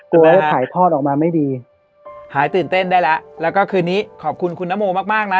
กลัวจะถ่ายทอดออกมาไม่ดีหายตื่นเต้นได้แล้วแล้วก็คืนนี้ขอบคุณคุณนโมมากมากนะ